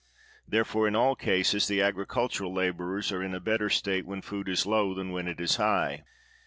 Therefore in all cases the agricultural laborers are in a better state when food is low than when it is high.